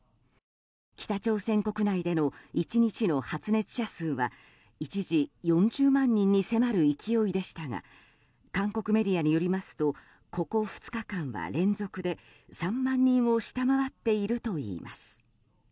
北朝鮮国内での１日の発熱者数は一時４０万人に迫る勢いでしたが韓国メディアによりますとここ２日間は連続で３万人を下回っているといいます。